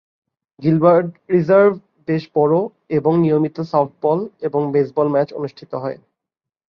Gilbert reserve বেশ বড়, এবং নিয়মিত সফটবল এবং বেসবল ম্যাচ অনুষ্ঠিত হয়।